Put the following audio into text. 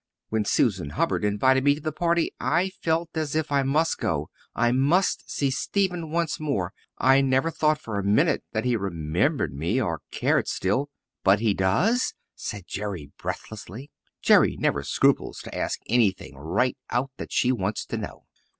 When Susan Hubbard invited me to the party I felt as if I must go I must see Stephen once more. I never thought for a minute that he remembered me or cared still...." "But he does?" said Jerry breathlessly. Jerry never scruples to ask anything right out that she wants to know.